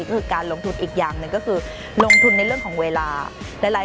ก็คือการลงทุนอีกอย่างหนึ่งก็คือลงทุนในเรื่องของเวลา